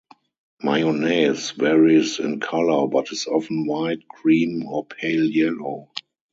Mayonnaise varies in color, but is often white, cream, or pale yellow.